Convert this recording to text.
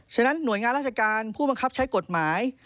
ฉะนั้นหน่วยงานราชการผู้บังคับใช้กฎหมาย